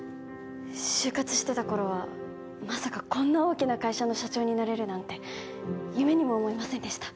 就活してた頃はまさかこんな大きな会社の社長になれるなんて夢にも思いませんでした